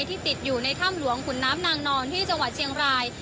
ที่ติดอยู่ในถ้ำหลวงขุนน้ำนางนอนที่จังหวัดเชียงราย